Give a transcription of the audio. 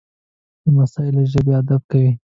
لمسی له ژبې ادب کوي.